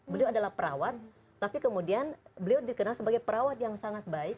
beliau adalah perawat tapi kemudian beliau dikenal sebagai perawat yang sangat baik